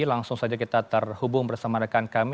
langsung saja kita terhubung bersama rekan kami